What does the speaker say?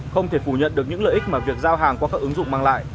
không thể phủ nhận được những lợi ích mà việc giao hàng qua các ứng dụng mang lại